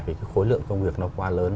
thì cái khối lượng công việc nó quá lớn